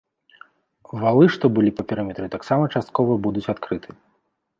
Валы, што былі па перыметры, таксама часткова будуць адкрыты.